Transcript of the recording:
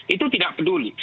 itu tidak peduli